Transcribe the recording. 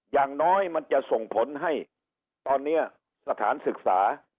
อย่างน้อยมันจะส่งผลให้ตอนนี้สถานศึกษา